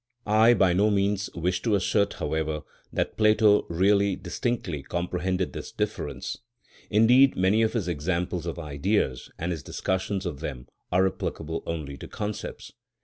I by no means wish to assert, however, that Plato really distinctly comprehended this difference; indeed many of his examples of Ideas, and his discussions of them, are applicable only to concepts.